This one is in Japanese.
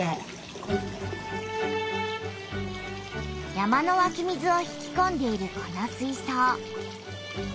山のわき水を引きこんでいるこの水そう。